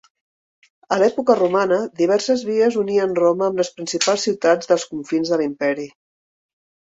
A l'època romana diverses vies unien Roma amb les principals ciutats dels confins de l'imperi.